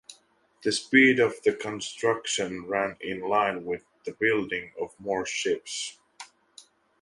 The speed of the construction ran in line with the building of more ships.